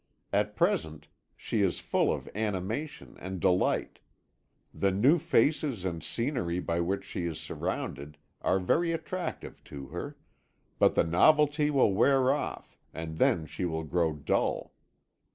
At present she is full of animation and delight; the new faces and scenery by which she is surrounded are very attractive to her; but the novelty will wear off and then she will grow dull.